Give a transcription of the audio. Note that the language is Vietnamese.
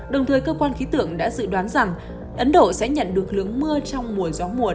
đồng thời cơ quan khí tượng đã dự đoán rằng ấn độ sẽ nhận được lượng mưa trong mùa gió mùa